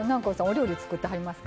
お料理作ってはりますか？